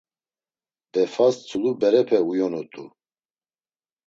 Befas tzulu berepe uyonut̆u.